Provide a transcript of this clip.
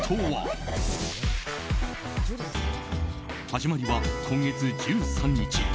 始まりは今月１３日。